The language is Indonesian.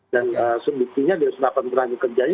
dan sebetulnya di setelah penerbangan kerjanya